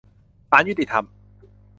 ศาลยุติธรรม